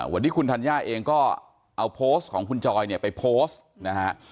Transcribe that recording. วันนี้คุณธัญญาเองก็เอาโพสต์ของคุณจอยเนี่ยไปโพสต์นะฮะ